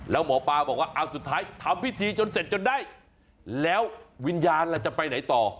แล้วหมอปลาบอกว่าเอาสุดท้ายทำพิธีจนเสร็จจนได้แล้ววิญญาณล่ะจะไปไหนต่อ